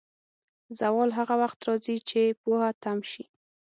زوال هغه وخت راځي، چې پوهه تم شي.